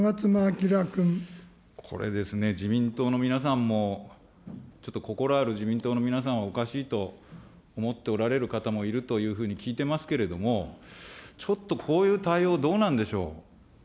これですね、自民党の皆さんも、ちょっと心ある自民党の皆さん、おかしいと思っておられる方もいるというふうに聞いてますけれども、ちょっとこういう対応どうなんでしょう。